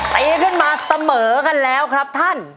ตีขึ้นมาเสมอกันแล้วครับท่าน